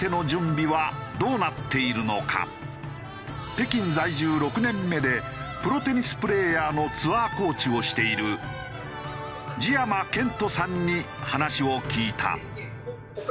北京在住６年目でプロテニスプレーヤーのツアーコーチをしている次山拳生さんに話を聞いた。